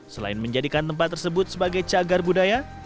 selain menjadikan tempat tersebut sebagai cagar budaya